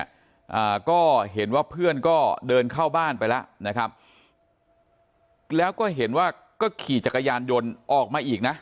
อ่าก็เห็นว่าเพื่อนก็เดินเข้าบ้านไปแล้วนะครับแล้วก็เห็นว่าก็ขี่จักรยานยนต์ออกมาอีกนะ